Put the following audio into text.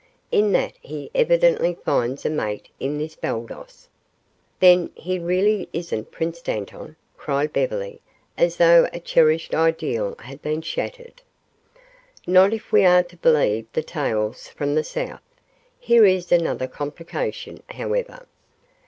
In that he evidently finds a mate in this Baldos." "Then, he really isn't Prince Dantan?" cried Beverly, as though a cherished ideal had been shattered. "Not if we are to believe the tales from the south. Here is another complication, however.